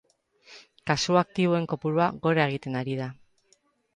Kasu aktiboen kopurua gora egiten ari da.